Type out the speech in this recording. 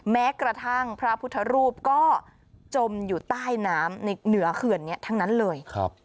แม้กระทั่งพระพุทธรูปก็จมอยู่ใต้น้ำในเหนือเขื่อนนี้ทั้งนั้นเลย